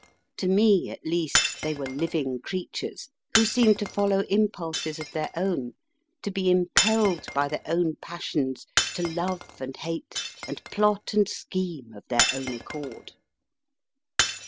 To me, at least, they were living creatures, who seemed to follow impulses of their own, to be impelled by their own passions, to love and hate, and plot and scheme of their own accord.